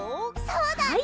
そうだね。